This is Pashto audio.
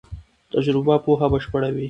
تجربه پوهه بشپړوي.